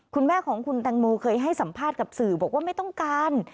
คุณแม่ของคุณแตงโมเคยให้สัมภาษณ์กับสื่อบอกว่าไม่ต้องการ